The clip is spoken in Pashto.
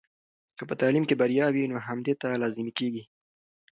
که په تعلیم کې بریا وي، نو همدې ته لازمي کیږي.